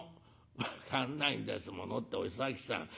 「分かんないんですものってお崎さんそら